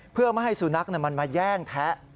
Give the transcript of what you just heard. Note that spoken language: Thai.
เพื่อไม่ให้สุนัขมันมาแย่งแทะ